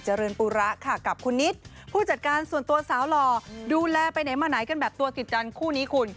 ไม่ต้องรู้ว่าเราครอบกัน